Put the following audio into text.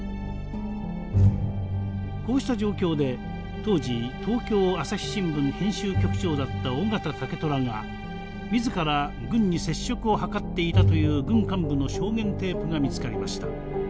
こうした状況で当時東京朝日新聞編集局長だった緒方竹虎が自ら軍に接触を図っていたという軍幹部の証言テープが見つかりました。